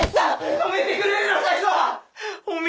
止めてくれるな才三！